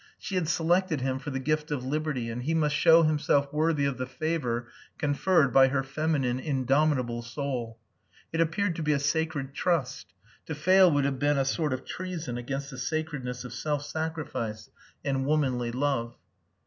She had selected him for the gift of liberty and he must show himself worthy of the favour conferred by her feminine, indomitable soul. It appeared to be a sacred trust. To fail would have been a sort of treason against the sacredness of self sacrifice and womanly love.